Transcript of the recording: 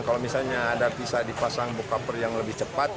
kalau misalnya ada bisa dipasang bokaper yang lebih cepat